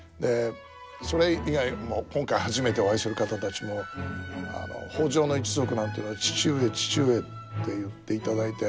それ以外も今回初めてお会いする方たちも北条の一族なんていうのは「父上父上」って言っていただいて。